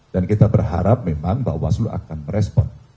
dan kita berharap memang pak waslu akan merespon